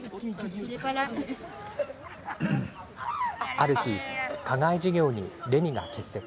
ある日、課外授業にレミが欠席。